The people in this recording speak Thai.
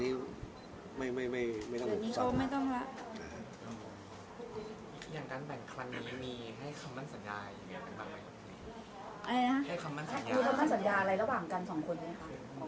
แบ่งความสั่งยาอะไรระหว่างกัน๒คนเลยคะ